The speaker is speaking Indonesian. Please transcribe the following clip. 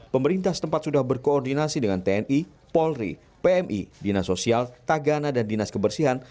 pemerintah setempat sudah berkoordinasi dengan tni polri pmi dinas sosial tagana dan dinas kebersihan